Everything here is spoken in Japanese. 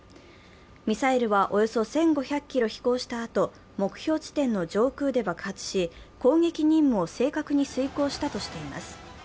ミサイルはおよそ１５００ｋｍ飛行したあと目標地点の上空で爆発し攻撃任務を正確に遂行したとしています。